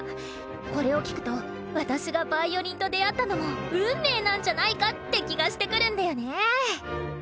これを聴くと私がヴァイオリンと出会ったのも運命なんじゃないかって気がしてくるんだよね！